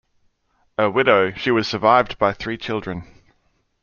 A widow, she was survived by three children.